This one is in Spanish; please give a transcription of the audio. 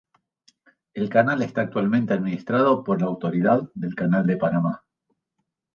El canal está actualmente administrado por la Autoridad del Canal de Panamá.